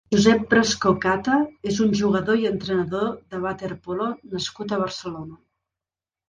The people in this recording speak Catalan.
Josep Brascó Cata és un jugador i entrenador de waterpolo nascut a Barcelona.